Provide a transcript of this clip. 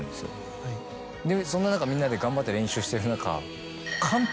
でそんな中みんなで頑張って練習してる中。